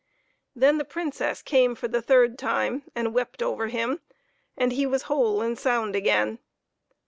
Then the Princess came for the third time and wept over him, and he was whole and sound again.